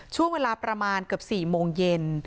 ช่วงเวลาประมาณเกือบ๔โมงเย็น